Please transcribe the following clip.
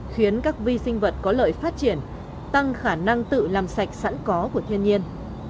khiến các vi sinh vật có lợi phát triển tăng khả năng tự làm sạch sẵn có của thiên nhiên